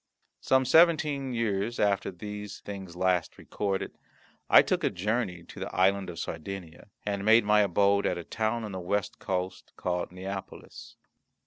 Some seventeen years after the things last recorded, I took a journey to the Island of Sardinia, and made my abode at a town on the west coast, called Neapolis.